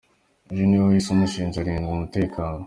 Uyu ni we wahise amushinja, arindiwe umutekano.